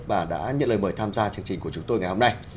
và đã nhận lời mời tham gia chương trình của chúng tôi ngày hôm nay